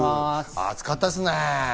暑かったですね。